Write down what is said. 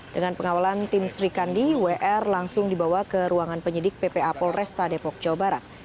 dengan pengawalan tim sri kandi wr langsung dibawa ke ruangan penyidik ppa polresta depok jawa barat